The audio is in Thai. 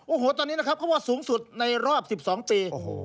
โอ้โหตอนนี้นะครับเขาว่าสูงสุดในรอบ๑๒ปี